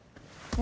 何？